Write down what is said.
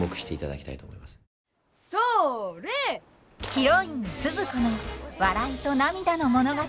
ヒロインスズ子の笑いと涙の物語。